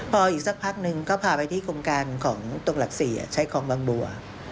พออีกสักพักนึงก็พาไปที่โครงการของตรงหลัก๔ใช้คลองบางบัว